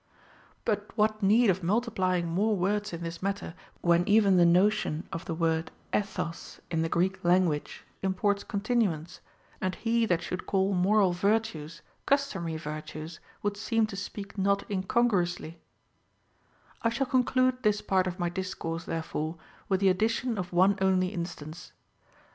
OF THE TRAINING OF CHILDREN. 7 But what need of multiplying more words in this matter, Avhen even the notion of the Avord ηΟος in the Greek lan guage imports continuance, and he that should call moral \'irtues customary virtues would seem to speak not incon gruously ] I shall conclude this part of my discourse, therefore, with the addition of one only instance.